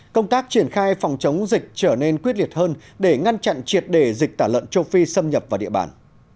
công tác triển khai phòng chống dịch trở nên quyết liệt hơn để ngăn chặn triệt đề dịch tả lợn châu phi xâm nhập vào địa bàn